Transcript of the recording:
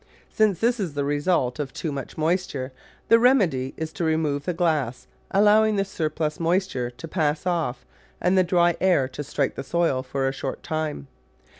Since this is the result of too much moisture, the remedy is to remove the glass, allowing the surplus moisture to pass off and the dry air to strike the soil for a short time.